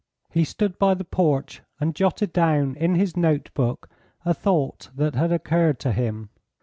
He stood by the porch and jotted down in his notebook a thought that had occurred to him.